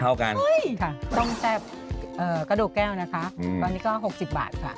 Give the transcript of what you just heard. ต้มแซ่บกระดูกแก้วนะคะตอนนี้ก็๖๐บาทค่ะ